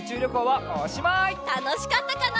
たのしかったかな？